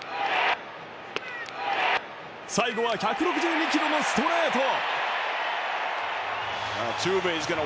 最後は１６２キロのストレート。